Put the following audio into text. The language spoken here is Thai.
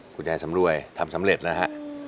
คุณยายสำรวยทำสำเร็จนะฮะ